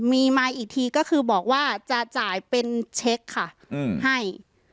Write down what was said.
มีมาอีกทีก็คือบอกว่าจะจ่ายเป็นเช็คค่ะให้